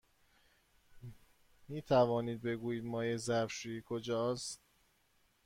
می توانید بگویید مایع ظرف شویی کجاست؟